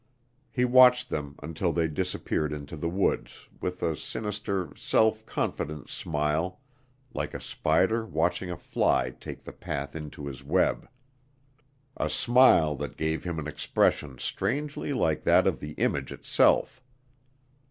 He watched them until they disappeared into the woods with a sinister, self confident smile like a spider watching a fly take the path into his web; a smile that gave him an expression strangely like that of the image itself.